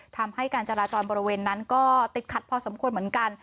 ทำให้การจราจรบริเวณนั้นก็ติดขัดพอสมควรเหมือนกัน